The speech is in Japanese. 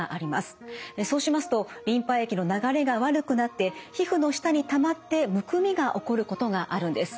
そうしますとリンパ液の流れが悪くなって皮膚の下にたまってむくみが起こることがあるんです。